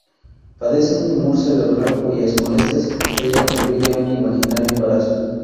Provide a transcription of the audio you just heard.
Padece un tumor cerebral cuyas molestias ella atribuye a un imaginario embarazo.